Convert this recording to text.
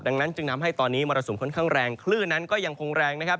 ดังนั้นจึงทำให้ตอนนี้มรสุมค่อนข้างแรงคลื่นนั้นก็ยังคงแรงนะครับ